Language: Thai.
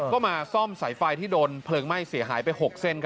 ก็มาซ่อมสายไฟที่โดนเพลิงไหม้เสียหายไป๖เส้น